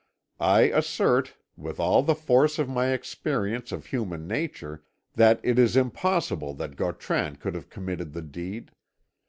"I assert, with all the force of my experience of human nature, that it is impossible that Gautran could have committed the deed.